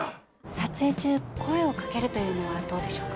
撮影中声をかけるというのはどうでしょうか？